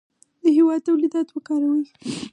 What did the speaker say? د هېواد تولیدات وکاروئ.